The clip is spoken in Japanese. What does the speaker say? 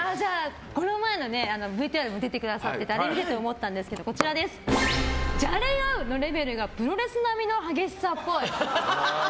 この前のＶＴＲにも出てくださっててあれを見てて思ったんですがじゃれ合うのレベルがプロレス並みの激しさっぽい。